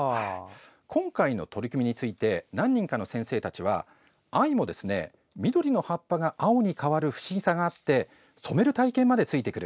今回の取り組みについて何人かの先生たちは藍も緑の葉っぱが青に変わる不思議さがあって染める体験までついてくる。